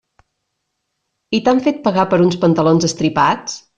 I t'han fet pagar per uns pantalons estripats?